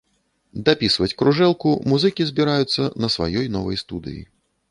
Дапісваць кружэлку музыкі збіраюцца на сваёй новай студыі.